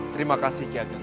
terima kasih ki ageng